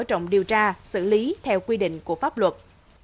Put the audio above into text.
trong điều tra xử lý theo quy định của pháp luật